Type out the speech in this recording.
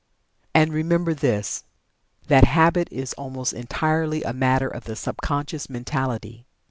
And, remember this, that Habit is almost entirely a matter of the sub conscious mentality.